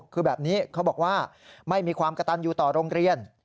คือแบบนี้เขาบอกว่าไม่มีความกระตันอยู่ต่อโรงเรียน